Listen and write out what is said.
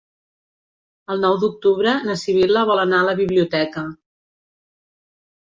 El nou d'octubre na Sibil·la vol anar a la biblioteca.